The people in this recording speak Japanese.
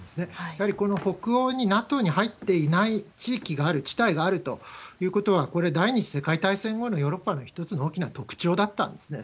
やはりこの北欧にＮＡＴＯに入っていない地域がある、地帯があるということは、これ、第２次世界大戦後のヨーロッパの一つの大きな特徴だったんですね。